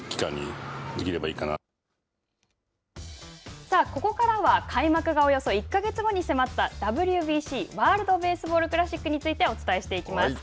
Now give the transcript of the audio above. さあ、ここからは開幕がおよそ１か月後に迫ったＷＢＣ＝ワールド・ベースボール・クラシックについてお伝えしていきます。